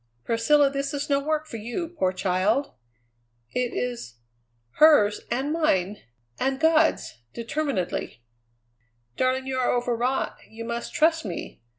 "Priscilla, this is no work for you, poor child!" "It is hers and mine, and God's!" determinedly. "Darling, you are overwrought. You must trust me.